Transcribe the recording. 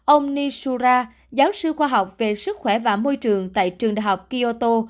ông nishura giáo sư khoa học về sức khỏe và môi trường tại trường đại học kyoto